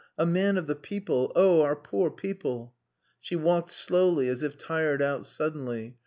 A man of the people! Oh, our poor people!" She walked slowly, as if tired out suddenly.